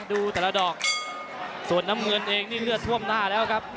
ดูแต่ละดอกส่วนน้ำเงินเองนี่เลือดท่วมหน้าแล้วครับ